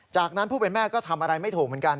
จากนั้นผู้เป็นแม่ก็ทำอะไรไม่ถูกเหมือนกัน